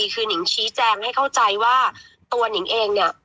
คือนิงชี้แจงให้เข้าใจว่าตัวหนิงเองเนี่ย